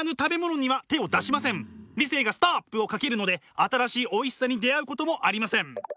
理性がストップをかけるので新しいおいしさに出会うこともありません。